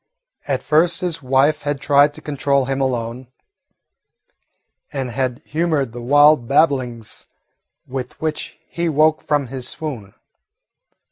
At first his wife had tried to control him alone, and had humoured the wild babblings with which he woke from his swoon.